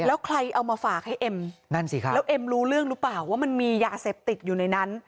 แล้วใครเอามาฝากให้เอ็มนั่นสิครับแล้วเอ็มรู้เรื่องหรือเปล่าว่ามันมียาเสพติดอยู่ในนั้น